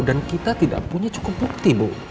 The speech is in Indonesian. dan kita tidak punya cukup bukti bu